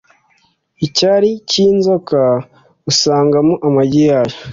Icyari cy'inzoka usangamo amagi yayo